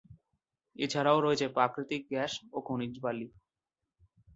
এছাড়া রয়েছে প্রাকৃতিক গ্যাস ও খনিজ বালি।